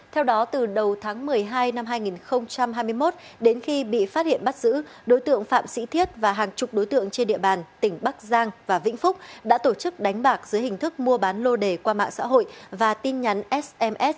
theo đó từ đầu tháng một mươi hai năm hai nghìn hai mươi một đến khi bị phát hiện bắt giữ đối tượng phạm sĩ thiết và hàng chục đối tượng trên địa bàn tỉnh bắc giang và vĩnh phúc đã tổ chức đánh bạc dưới hình thức mua bán lô đề qua mạng xã hội và tin nhắn sms